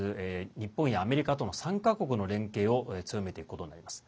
日本やアメリカとの３か国の連携を強めていくことになります。